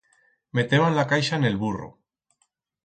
Meteban la caixa en el burro.